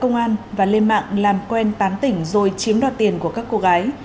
công an và lên mạng làm quen tán tỉnh rồi chiếm đoạt tiền của các cô gái